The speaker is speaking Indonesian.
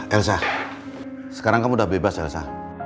elsa sekarang kamu udah bebas elsa